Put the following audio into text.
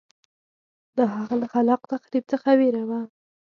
دا هغه له خلاق تخریب څخه وېره وه